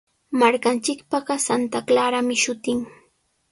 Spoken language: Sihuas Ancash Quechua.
Markanchikpaqa Santa Clarami shutin.